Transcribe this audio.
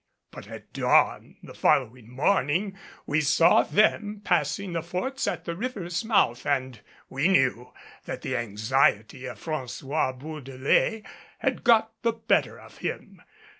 But at dawn the following morning we saw them passing the forts at the river's mouth and we knew that the anxiety of François Bourdelais had got the better of him.